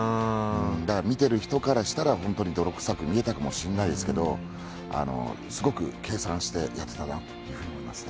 見ている人からしたら本当に泥臭く見えたかもしれませんがすごく計算してやっていたなと思いますね。